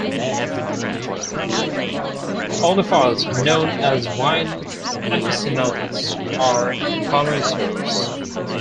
Oenophiles are also known as "wine aficionados" or "connoisseurs".